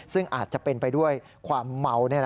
ซึ่งอาจจะเป็นไปด้วยความเมา